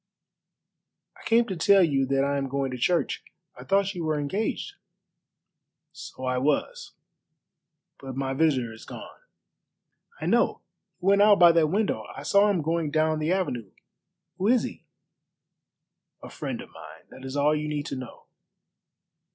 "I came to tell you that I am going to church. I thought you were engaged." "So I was; but my visitor is gone." "I know; he went out by that window. I saw him going down the avenue. Who is he?" "A friend of mine. That is all you need to know.